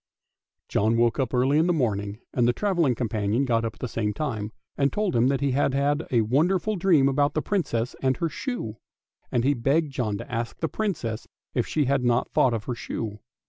John woke up early in the morning, and the travelling companion got up at the same time, and told him that he had had a wonderful dream about the Princess and her shoe; and he begged John to ask the Princess if she had not thought of her shoe.